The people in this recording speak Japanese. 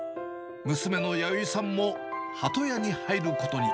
娘のやよいさんも鳩家に入ることに。